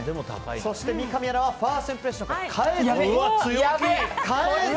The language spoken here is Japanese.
そして、三上アナはファーストインプレッションから強気の女。